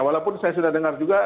walaupun saya sudah dengar juga